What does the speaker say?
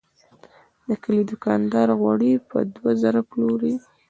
د کلي دوکاندار غوړي په دوه زره پلوري.